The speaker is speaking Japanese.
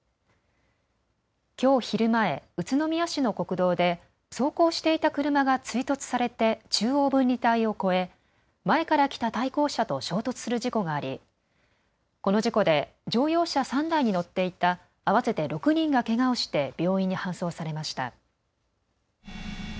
きょう昼前、宇都宮市の国道で走行していた車が追突されて中央分離帯を越え、前から来た対向車と衝突する事故がありこの事故で乗用車３台に乗っていた合わせて６人がけがをして病院に搬送されました。